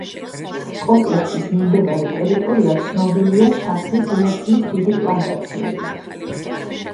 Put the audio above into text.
კომპლექსის მიმდებარე ტერიტორია ცნობილია შაქრის ლერწმის დიდი პლანტაციებით.